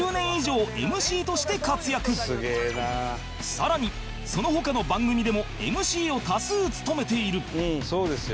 さらにその他の番組でも ＭＣ を多数務めている